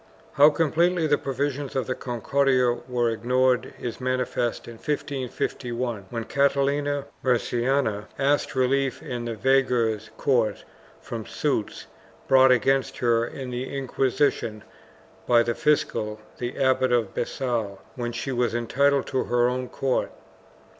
2 How completely the provisions of the Concordia were ignored is manifest in 1551, when Catalina Murciana asked relief in the veguer's court from suits brought against her in the Inquisition by the fiscal, the Abbot of Besalu, when she was entitled to her own court.